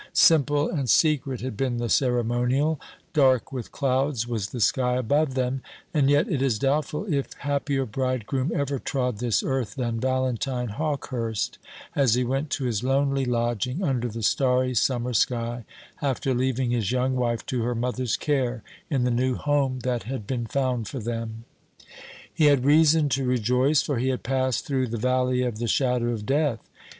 Simple and secret had been the ceremonial, dark with clouds was the sky above them; and yet it is doubtful if happier bridegroom ever trod this earth than Valentine Hawkehurst as he went to his lonely lodging under the starry summer sky, after leaving his young wife to her mother's care in the new home that had been found for them. He had reason to rejoice; for he had passed through the valley of the shadow of death.